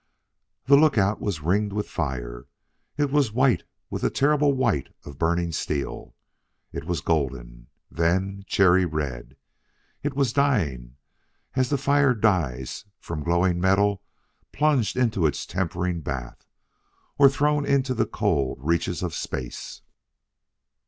The lookout was ringed with fire; it was white with the terrible white of burning steel! it was golden! then cherry red! It was dying, as the fire dies from glowing metal plunged in its tempering bath or thrown into the cold reaches of space!